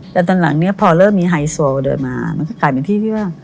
แต่ตอนหลังเนี่ยพอเริ่มมีไฮโซเดินมามันก็กลายเป็นที่ที่ว่า